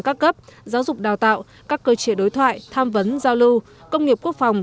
các cấp giáo dục đào tạo các cơ chế đối thoại tham vấn giao lưu công nghiệp quốc phòng